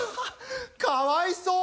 かわいそう！